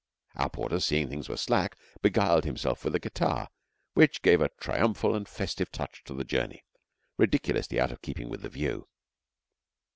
Our porter, seeing things were slack, beguiled himself with a guitar, which gave a triumphal and festive touch to the journey, ridiculously out of keeping with the view.